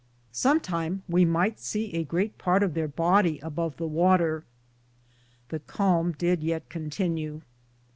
Sometime we myghte se a great parte of there bodye above the water. The calme did yeat continue.